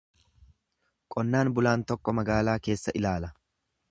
Qonnaan bulaan tokko magaalaa keessa ilaala.